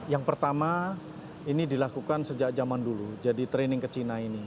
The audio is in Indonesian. yang pertama ini dilakukan sejak zaman dulu jadi training ke china ini